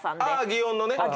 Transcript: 祇園のね。